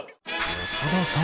長田さん